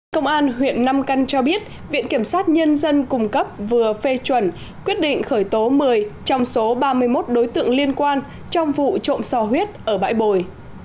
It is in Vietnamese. công an huyện nam căn cho biết viện kiểm sát nhân dân cung cấp vừa phê chuẩn quyết định khởi tố một mươi trong số ba mươi một đối tượng liên quan trong vụ trộm sò huyết ở bãi bồi